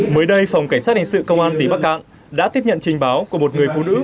mới đây phòng cảnh sát hình sự công an tỉnh bắc cạn đã tiếp nhận trình báo của một người phụ nữ